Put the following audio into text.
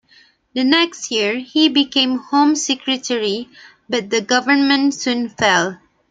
The next year, he became Home Secretary, but the government soon fell.